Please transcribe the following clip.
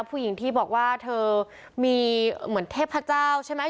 ผู้หญิงที่บอกว่าเธอมีเหมือนเทพเจ้าใช่ไหม